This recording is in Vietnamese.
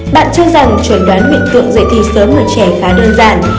bạn cho rằng chuẩn đoán nguyện tượng dạy thi sớm ở trẻ khá đơn giản